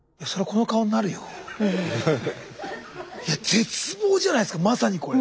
絶望じゃないすかまさにこれ。